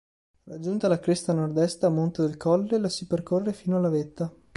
Raggiunta la cresta nord-est a monte del colle la si percorre fino alla vetta.